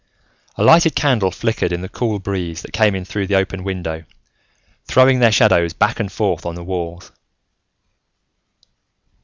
A lighted candle flickered in the cool breeze that came in through the open window, throwing their shadows back and forth on the walls.